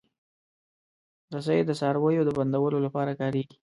رسۍ د څارویو د بندولو لپاره کارېږي.